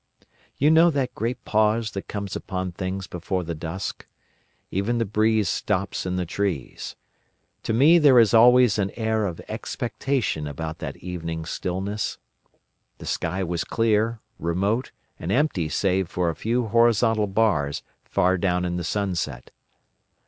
You know that great pause that comes upon things before the dusk? Even the breeze stops in the trees. To me there is always an air of expectation about that evening stillness. The sky was clear, remote, and empty save for a few horizontal bars far down in the sunset.